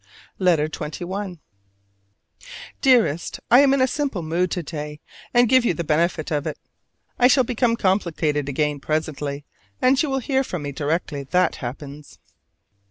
LETTER XXI. Dearest: I am in a simple mood to day, and give you the benefit of it: I shall become complicated again presently, and you will hear from me directly that happens.